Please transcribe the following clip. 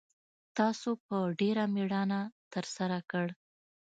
تاسو په ډېره میړانه ترسره کړ